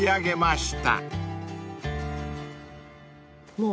もう。